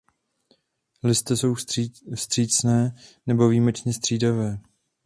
Listy jsou vstřícné nebo výjimečně střídavé.